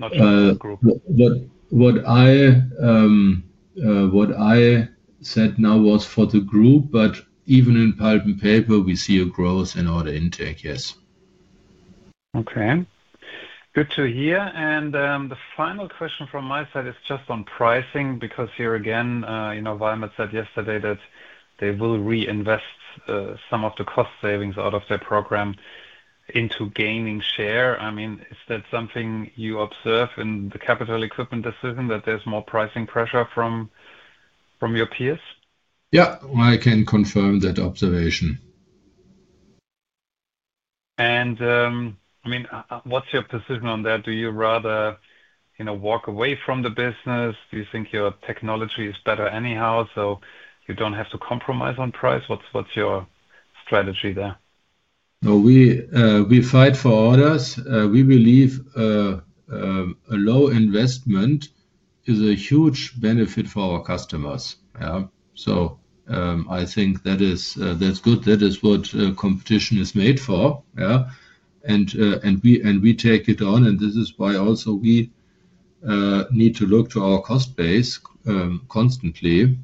not just the group. What I said now was for the group, but even in pulp and paper, we see a growth in order intake. Yes. Good to hear. The final question from my side is just on pricing because here again, you know, Valmet said yesterday that they will reinvest some of the cost savings out of their program into gaining share. I mean, is that something you observe in the capital equipment decision, that there's more pricing pressure, pressure from your peers? Yeah, I can confirm that observation. What’s your position on that? Do you rather, you know, walk away from the business? Do you think your technology is better anyhow so you don't have to compromise on price? What's your strategy there? We fight for orders. We believe a low investment is a huge benefit for our customers. I think that is good. That is what competition is made for, and we take it on. This is why we need to look to our cost base constantly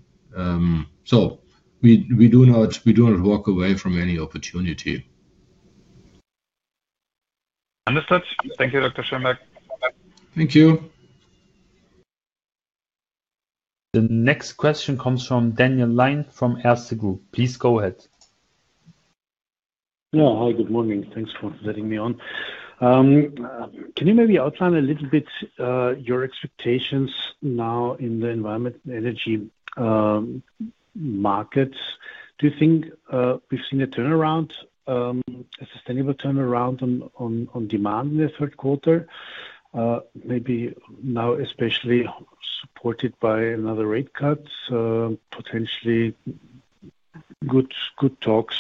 so we do not walk away from any opportunity. Understood. Thank you, Dr. Schönbeck. Thank you. The next question comes from Daniel Lion from Erste Group. Please go ahead. Yeah, hi, good morning. Thanks for letting me on. Can you maybe outline a little bit your expectations now in the environment, energy markets? Do you think we've seen a turnaround, a sustainable turnaround on demand in the third quarter, maybe now, especially supported by another rate cut, potentially good talks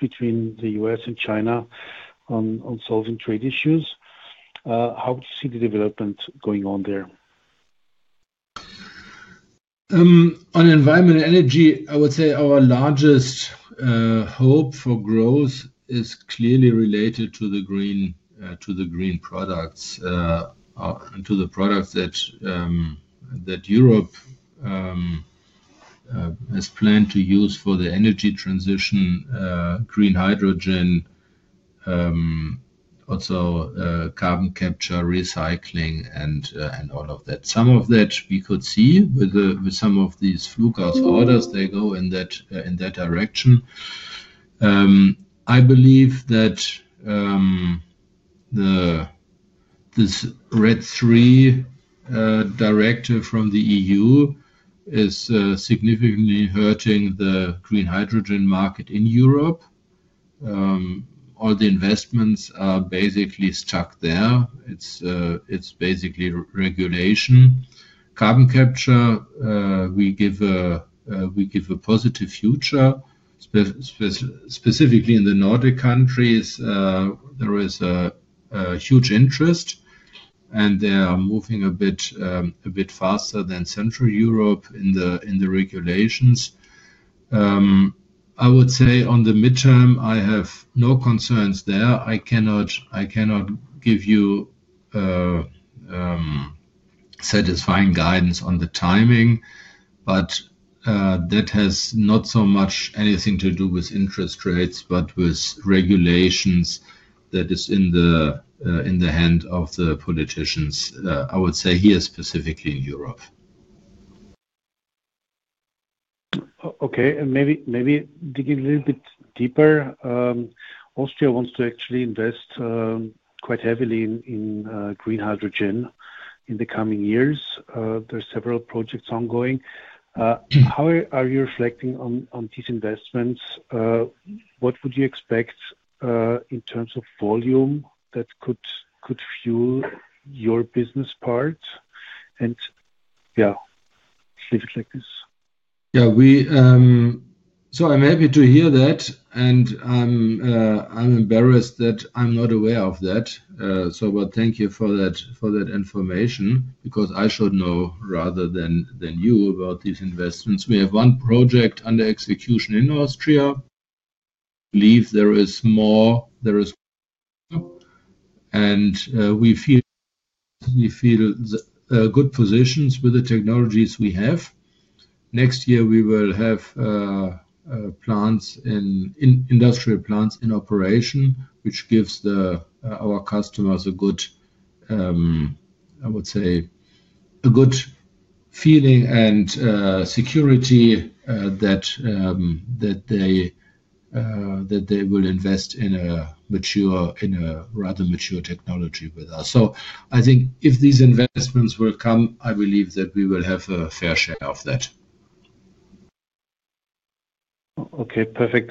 between the U.S. and China on solving trade issues? How do you see the development going on there? On environment, energy, I would say our largest hope for growth is clearly related to the green, to the green products, to the products that Europe has planned to use for the energy transition, green hydrogen, also carbon capture, recycling and all of that. Some of that we could see with some of these flue gas orders. They go in that direction. I believe that this RED III directive from the EU is significantly hurting the green hydrogen market in Europe. All the investments are basically stuck there. It's basically regulation, carbon capture. We give a positive future. Specifically in the Nordic countries, there is a huge interest and they are moving a bit faster than Central Europe in the regulations, I would say on the midterm. I have no concerns there. I cannot give you satisfying guidance on the timing, but that has not so much anything to do with interest rates but with regulations. That is in the hand of the politicians. I would say here specifically in Europe. Okay. Maybe digging a little bit deeper, Austria wants to actually invest quite heavily in green hydrogen in the coming years. There are several projects ongoing. How are you reflecting on these investments? What would you expect in terms of volume that could fuel your business part and yeah, leave it like this. Yeah, I'm happy to hear that and I'm embarrassed that I'm not aware of that. Thank you for that information because I should know rather than you about these investments. We have one project under execution in Austria. I believe there is more. There is, and we feel good positions with the technologies we have. Next year we will have plants in industrial plants in operation, which gives our customers a good, I would say, a good feeling and security that they will invest in a rather mature technology with us. I think if these investments will come, I believe that we will have a fair share of that. Okay, perfect.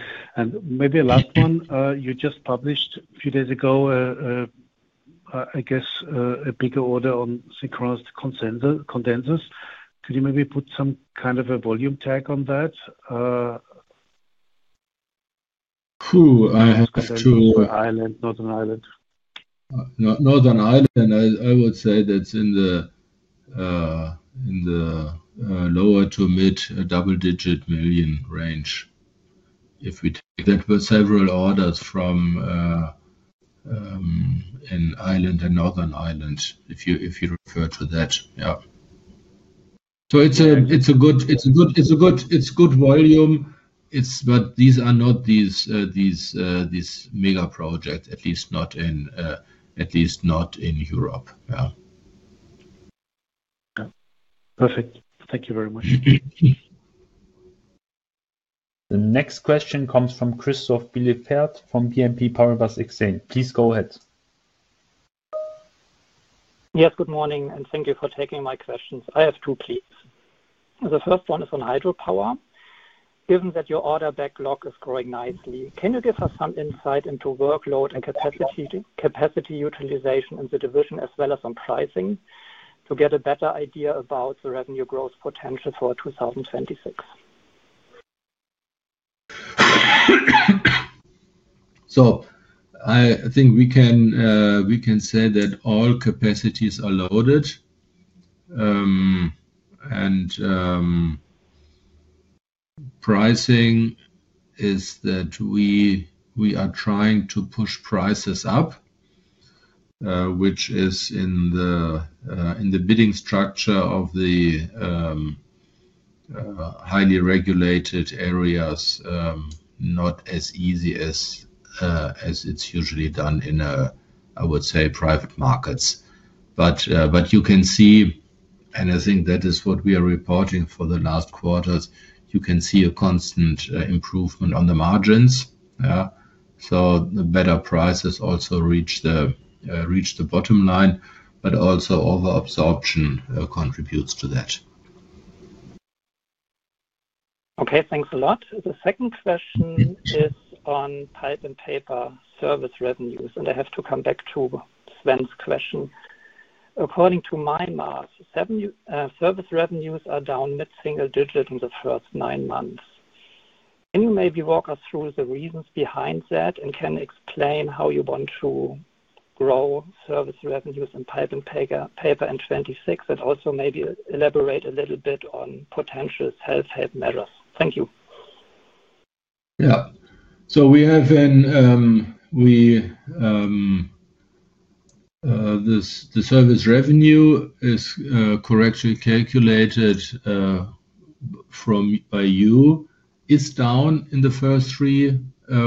Maybe a last one, you just published a few days ago, I guess a bigger order on synchronous condensers. Could you maybe put some kind of a volume tag on that, Ireland, Northern Ireland. Northern Ireland. I would say that's in the lower to mid double-digit million range. If we take that, there were several orders from Ireland and Northern Ireland, if you refer to that. Yeah, it's a good volume. These are not these mega projects, at least not in Europe. Yeah, perfect. Thank you very much. The next question comes from Christoph Blieffert from BNP Paribas Exane. Please go ahead. Yes, good morning, and thank you for taking my questions. I have two, please. The first one is on hydropower. Given that your order backlog is growing nicely, can you give us some insight into workload and capacity utilization in the division as well as on pricing to get a better idea about the revenue growth potential for 2020? I think we can say that all capacities are loaded, and pricing is that we are trying to push prices up, which is in the bidding structure of the highly regulated areas. Not as easy as it's usually done in, I would say, private markets. You can see, and I think that is what we are reporting for the last quarters, you can see a constant improvement on the margins. The better prices also reach the bottom line, but also over absorption contributes to that. Okay, thanks a lot. The second question is on pulp and paper service revenues, and I have to come back to Sven's question. According to Matthias Pfeifenberger, service revenue is down, mid single digit in the first nine months. Can you maybe walk us through the reasons behind that and can explain how you want to grow service revenue pipeline paper N26 and also maybe elaborat a little bit on potential health help measures. Thank you. Yeah. The service revenue, as correctly calculated by you, is down in the first three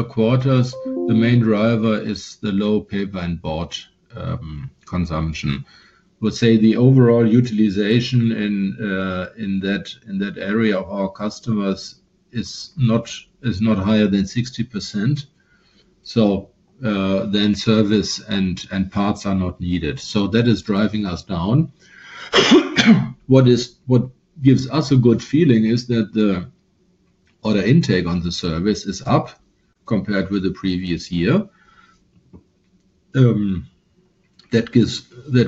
quarters. The main driver is the low paper and board consumption. I would say the overall utilization in that area of our customers is not higher than 60%. Service and parts are not needed, so that is driving us down. What gives us a good feeling is that the order intake on the service is up compared with the previous year. That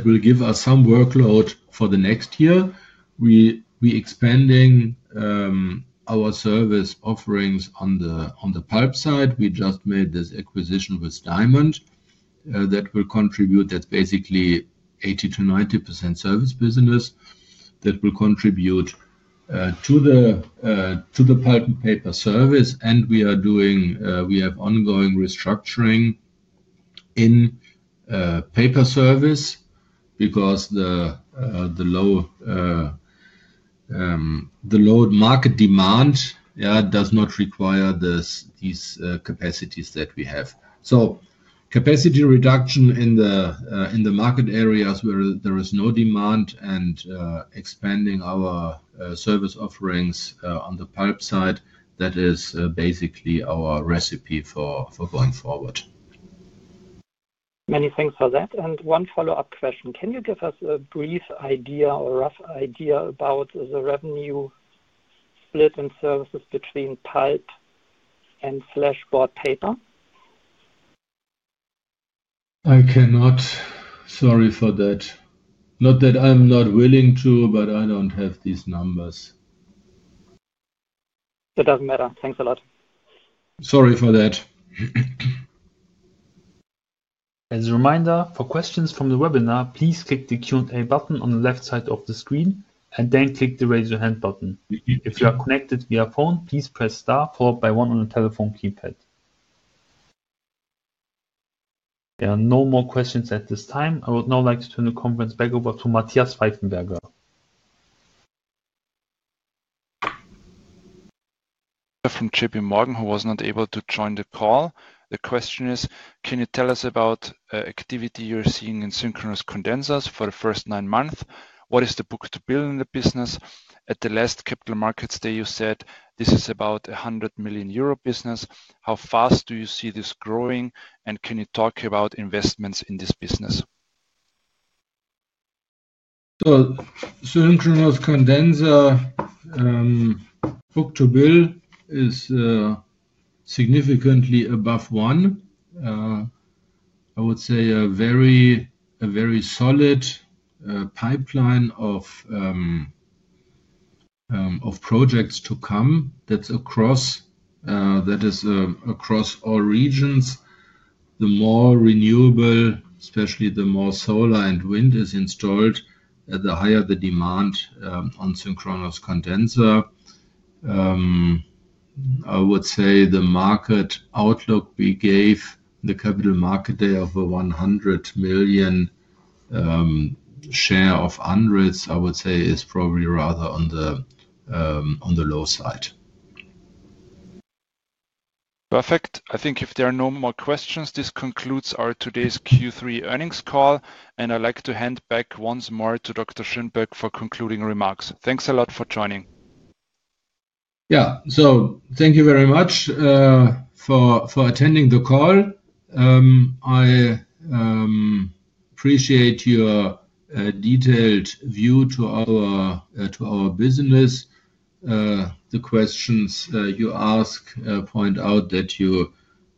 will give us some workload for the next year. We are expanding our service offerings on the pulp side. We just made this acquisition with Diamond that will contribute; that's basically 80%-90% service business that will contribute to the pulp and paper service. We have ongoing restructuring in paper service because the low market demand does not require these capacities that we have. Capacity reduction in the market areas where there is no demand and expanding our service offerings on the pulp side is basically our recipe for going forward. Many thanks for that, and one follow-up question. Can you give us a brief idea or rough idea about the revenue split in services between pulp and paper? I cannot. Sorry for that. Not that I'm not willing to, but I don't have these numbers. That doesn't matter. Thanks a lot. Sorry for that. As a reminder for questions from the webinar, please click the Q&A button on the left side of the screen and then click the raise your hand button. If you are connected via phone, please press star followed by one on the telephone keypad. There are no more questions at this time. I would now like to turn the conference back over to Matthias Pfeifenberger. From JPMorgan who was not able to join the call. The question is can you tell us about activity you're seeing in synchronous condensers for the first nine months. What is the book to bill in the business? At the last capital markets day you said this is about 100 million euro business. How fast do you see this growing and can you talk about investments in this business? Synchronous condenser book to bill is significantly above 1. I would say a very, a very solid pipeline of projects to come, that's across, that is across all regions. The more renewable, especially the more solar and wind is installed, the higher the demand on synchronous condenser. I would say the market outlook we gave the capital market day of 100 million share of hundreds, I would say is probably rather on the, on the low side. Perfect. I think if there are no more questions, this concludes our today's Q3 earnings call and I'd like to hand back once more to Dr. Joachim Schönbeck for concluding remarks. Thanks a lot for joining. Thank you very much for attending the call. I appreciate your detailed view of our business. The questions you ask point out that you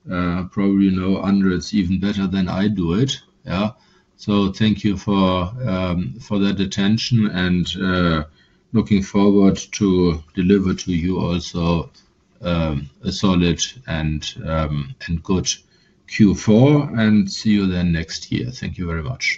probably know ANDRITZ even better than I do. Thank you for that attention, and looking forward to deliver to you also a solid and good Q4 and see you then next year. Thank you very much.